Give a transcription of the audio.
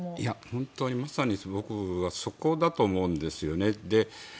本当にまさにそこだと思うんですよね。